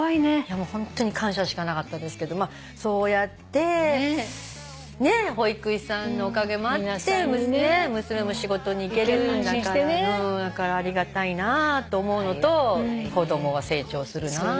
ホントに感謝しかなかったですけどそうやって保育士さんのおかげもあって娘も仕事に行けるんだからありがたいなぁと思うのと子供は成長するなぁと。